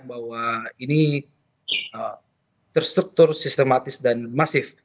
bahwa ini terstruktur sistematis dan masif